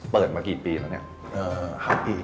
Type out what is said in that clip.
เปิดมากี่ปีแล้วเนี่ย